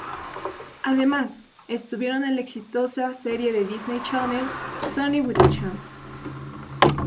Además, estuvieron en la exitosa serie de Disney Channel, "Sonny with a Chance".